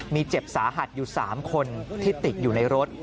มีเจ็บสาหัสอยู่๓คนที่ติดอยู่ในรถ